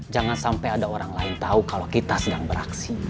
jangan sampai ada orang lain tahu kalau kita sedang beraksi